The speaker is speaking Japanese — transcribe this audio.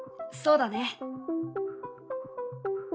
そうだね。